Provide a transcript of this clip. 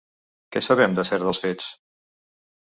Què sabem del cert dels fets?